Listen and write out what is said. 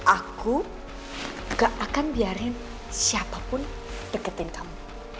aku gak akan biarin siapapun deketin kamu